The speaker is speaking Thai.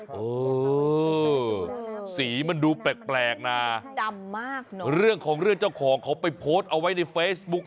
เออสีมันดูแปลกนะดำมากเนอะเรื่องของเรื่องเจ้าของเขาไปโพสต์เอาไว้ในเฟซบุ๊ค